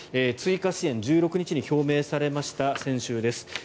追加支援１６日に表明されました先週です。